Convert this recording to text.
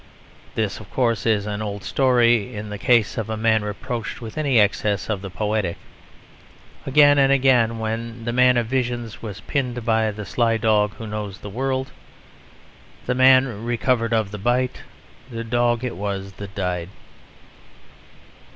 This, of course, is an old story in the case of a man reproached with any excess of the poetic. Again and again when the man of visions was pinned by the sly dog who knows the world, "The man recovered of the bite, The dog it was that died."